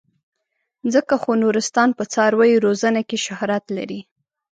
ځکه خو نورستان په څارویو روزنه کې شهرت لري.